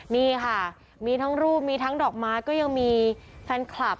นี่ค่ะมีทั้งรูปมีทั้งดอกไม้ก็ยังมีแฟนคลับ